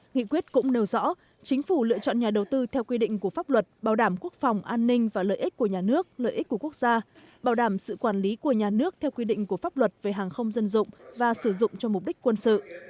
nghị quyết cũng nêu rõ chính phủ lựa chọn nhà đầu tư theo quy định của pháp luật bảo đảm quốc phòng an ninh và lợi ích của nhà nước lợi ích của quốc gia bảo đảm sự quản lý của nhà nước theo quy định của pháp luật về hàng không dân dụng và sử dụng cho mục đích quân sự